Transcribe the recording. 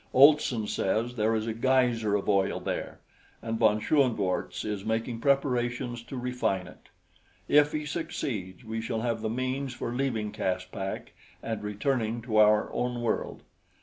Olson says there is a geyser of oil there, and von Schoenvorts is making preparations to refine it. If he succeeds, we shall have the means for leaving Caspak and returning to our own world.